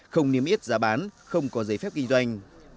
không niêm yết giá bán không có giấy phép kinh doanh